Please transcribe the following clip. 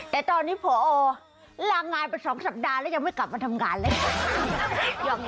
แต่ตอนนี้พอลางงานไป๒สัปดาห์แล้วยังไม่กลับมาทำงานเลย